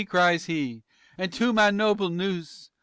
cries he,_ "_And to my noble noose!